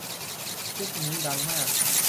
คลิปนี้ดังมาก